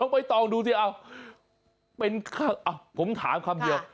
ไม่ต้องดูสิเป็นค่ะผมถามคำเดียว